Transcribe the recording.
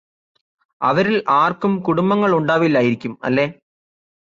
അവരിൽ ആർക്കും കുടുംബങ്ങൾ ഉണ്ടാവില്ലായിരിക്കും അല്ലേ